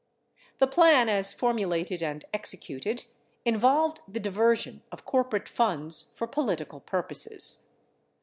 The plan as formulated and executed involved the diversion of corporate funds for political purposes.